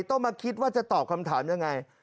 ต้องมาคิดว่าจะตอบคำถามยังไง